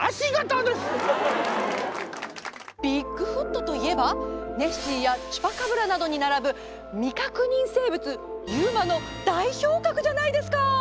ビッグフットといえばネッシーやチュパカブラなどにならぶ未確認生物ＵＭＡの代表格じゃないですか！